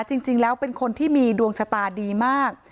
จริงแล้วเป็นคนที่มีดวงชะตาดีมาก